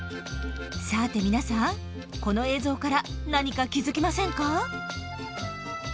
さて皆さんこの映像から何か気付きませんか？